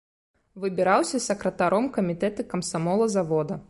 Выбіраўся сакратаром камітэта камсамола завода.